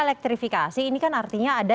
elektrifikasi ini kan artinya ada